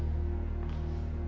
tentang apa yang terjadi